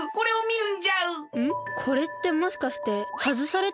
これってもしかしてはずされたあと？